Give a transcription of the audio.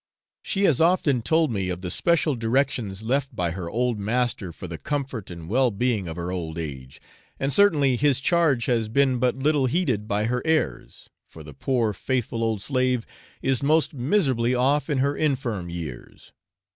She has often told me of the special directions left by her old master for the comfort and well being of her old age; and certainly his charge has been but little heeded by his heirs, for the poor faithful old slave is most miserably off in her infirm years.